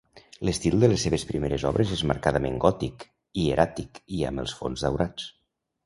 L'estil de les seves primeres obres és marcadament gòtic, hieràtic i amb els fons daurats.